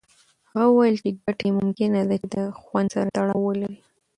هغه وویل چې ګټې ممکنه ده چې د خوند سره تړاو ولري.